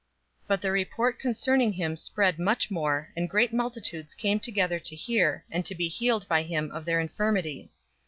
005:015 But the report concerning him spread much more, and great multitudes came together to hear, and to be healed by him of their infirmities.